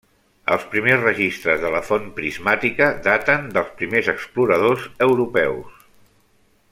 Els primers registres de la font prismàtica daten dels primers exploradors europeus.